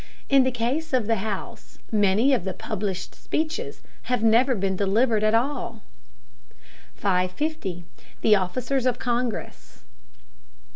In the case of the House, many of the published speeches have never been delivered at all. 550. THE OFFICERS OF CONGRESS.